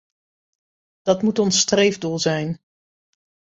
Dat moet ons streefdoel zijn.